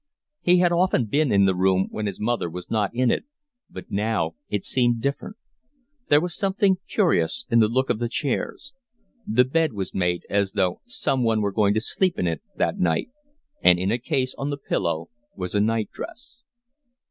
He had often been in the room when his mother was not in it, but now it seemed different. There was something curious in the look of the chairs. The bed was made as though someone were going to sleep in it that night, and in a case on the pillow was a night dress.